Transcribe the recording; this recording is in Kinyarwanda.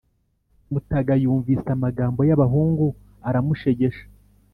mutaga yumvise amagambo y' abahungu aramushegesha